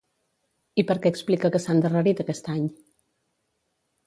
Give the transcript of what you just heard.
I per què explica que s'ha endarrerit aquest any?